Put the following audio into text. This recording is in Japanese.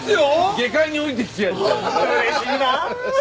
下界に降りてきてやったよ。